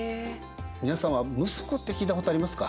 皆さんはムスクって聞いたことありますか。